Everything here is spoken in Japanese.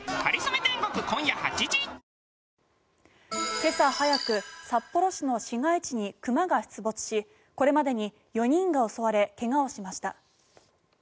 今朝早く札幌市の市街地に熊が出没しこれまでに４人が襲われ怪我をしました。